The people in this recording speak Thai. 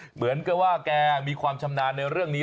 เหมือนกับว่าแกมีความชำนาญในเรื่องนี้